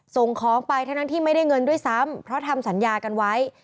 ส่งของไปทั้งนั้นที่ไม่ได้เงินด้วยซ้ำเพราะทำสัญญากันไว้